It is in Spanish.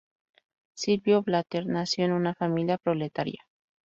Silvio Blatter nació en una familia proletaria.